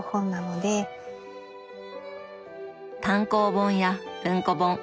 単行本や文庫本。